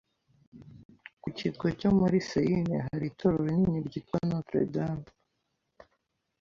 Ku kirwa cyo muri Seine, hari itorero rinini ryitwa Notre Dame